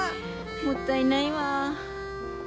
もったいないわ。